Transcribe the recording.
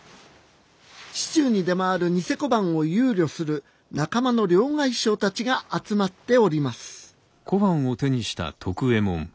市中に出回る贋小判を憂慮する仲間の両替商たちが集まっております